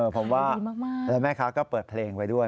ผมว่าแล้วแม่ค้าก็เปิดเพลงไว้ด้วย